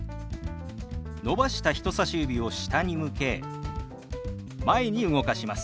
伸ばした人さし指を下に向け前に動かします。